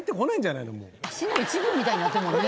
足の一部みたいになってるもんね。